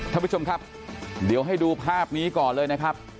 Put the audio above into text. ท่านผู้ชมครับเดี๋ยวให้ดูภาพนี้ก่อนเลยนะครับ